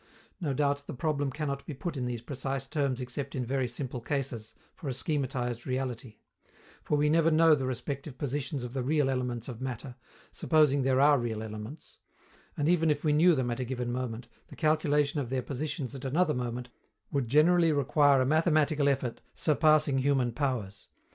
No doubt the problem cannot be put in these precise terms except in very simple cases, for a schematized reality; for we never know the respective positions of the real elements of matter, supposing there are real elements; and, even if we knew them at a given moment, the calculation of their positions at another moment would generally require a mathematical effort surpassing human powers.